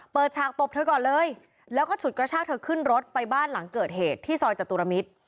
ฉากตบเธอก่อนเลยแล้วก็ฉุดกระชากเธอขึ้นรถไปบ้านหลังเกิดเหตุที่ซอยจตุรมิตร